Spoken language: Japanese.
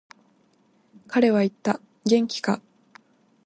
彼は言った、元気か。